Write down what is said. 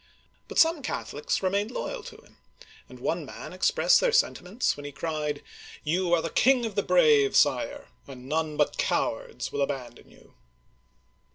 But some Catholics remained loyal to him, and one man expressed their sentiments when he cried, " You are the king of the brave. Sire, and none but cowards will abandon you